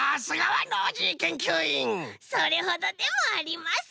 それほどでもあります。